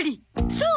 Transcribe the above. そう。